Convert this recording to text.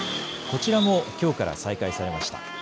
こちらもきょうから再開されました。